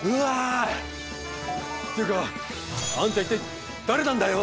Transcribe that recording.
っていうかあんた一体誰なんだよ！？